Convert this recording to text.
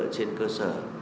trên cơ sở